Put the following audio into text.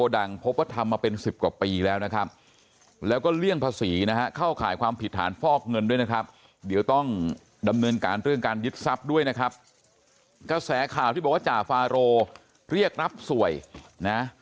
เดี๋ยวต้องดำเนินการเรื่องการยึดทรัพย์ด้วยนะครับก็แสข่าวที่บอกว่าจ่าฟาโรเรียกรับสวยนะ